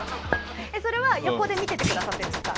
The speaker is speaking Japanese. それは横で見ててくださってるんですか？